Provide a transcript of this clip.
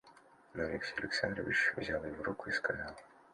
Но Алексей Александрович взял его руку и сказал.